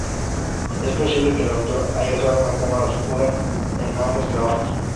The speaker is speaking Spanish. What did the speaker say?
Es posible que el autor haya usado una cámara oscura en ambos trabajos.